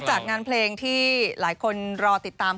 จากงานเพลงที่หลายคนรอติดตาม